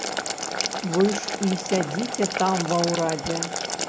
Вы ж і сядзіце там ва ўрадзе.